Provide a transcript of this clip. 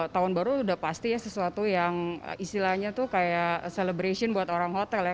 tahun baru udah pasti ya sesuatu yang istilahnya tuh kayak celebration buat orang hotel ya